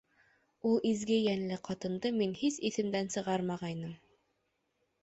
Ул изге йәнле ҡатынды мин һис иҫемдән сығармағайным.